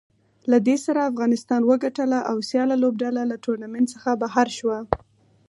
له دې سره افغانستان وګټله او سیاله لوبډله له ټورنمنټ څخه بهر شوه